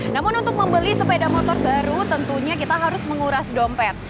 namun untuk membeli sepeda motor baru tentunya kita harus menguras dompet